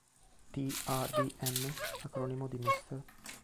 T. a. d. M.”, acronimo di “Mr.